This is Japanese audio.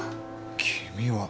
君は。